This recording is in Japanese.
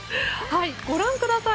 ご覧ください。